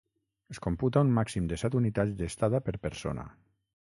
Es computa un màxim de set unitats d'estada per persona.